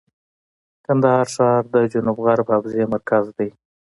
کندهار ښار د جنوب غرب حوزې مرکز دی.